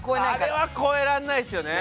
あれは超えられないですよね。